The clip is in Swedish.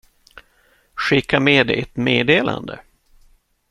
Skicka med ett meddelande!